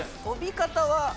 跳び方は？